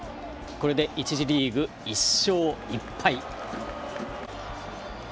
これで１次リーグ、１勝１敗。